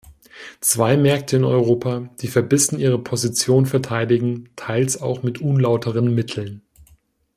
Zwei Märkte in Europa, die verbissen ihre Position verteidigen, teils auch mit unlauteren Mitteln.